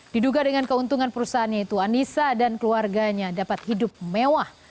diduga dengan keuntungan perusahaannya itu anissa dan keluarganya dapat hidup mewah